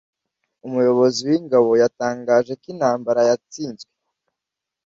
Umuyobozi wingabo yatangaje ko intambara yatsinzwe